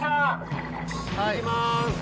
いきます